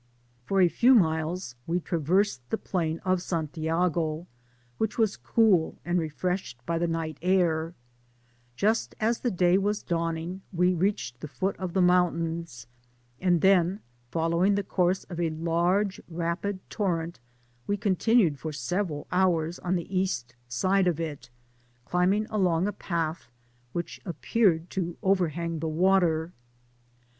For a few miles we tra versed the plain of Santiago, which was cool and refreshed by the night air: just as the day was dawning we reached the foot of the mountains, and then following the course of a large rapid torrent, we continued for several hours on the east side of it, climbing along a path which appeared to over hang the water.